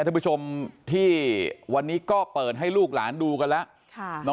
ท่านผู้ชมที่วันนี้ก็เปิดให้ลูกหลานดูกันแล้ว